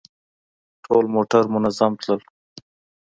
ټول موټر منظم تلل.